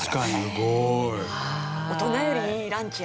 すごーい。